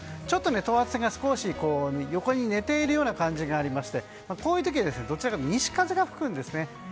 ちょっと等圧線が横に寝ているような感じがありましてこういう時はどちらかというと西風が吹くんですね。